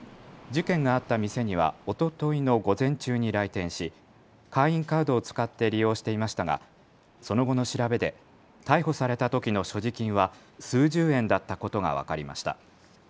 事件があった店にはおとといの午前中に来店し会員カードを使って利用していましたが、その後の調べで逮捕されたときの所持金は数十円だったことが分かりました。